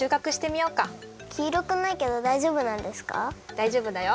だいじょうぶだよ。